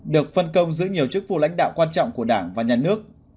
được phân công giữ nhiều chức vụ lãnh đạo quan trọng của đảng và nhà nước